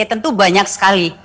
tentu banyak sekali